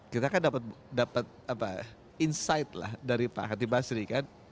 kita kan dapat insight lah dari pak khati basri kan